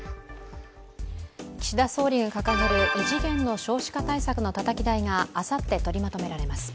岸田総理が掲げる異次元の少子化対策のたたき台があさって取りまとめられます。